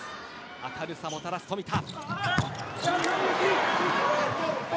明るさ、もたらす富田。